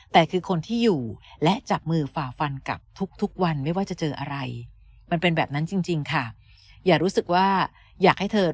แต่คือคนที่อยู่และจับมือฝ่าฟันกลับทุกวันไม่ว่าจะเจออะไร